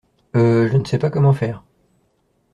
Heu... Je ne sais pas comment faire.